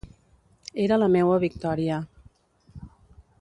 Era la meua victòria.